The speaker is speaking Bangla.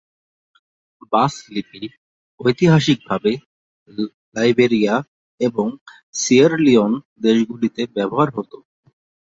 বাস লিপি ঐতিহাসিকভাবে লাইবেরিয়া এবং সিয়েরা লিওন দেশগুলিতে ব্যবহার হতো।